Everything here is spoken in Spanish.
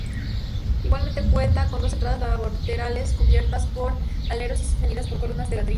Igualmente cuenta con dos entradas laterales cubiertas por aleros sostenidas en columnas de ladrillo.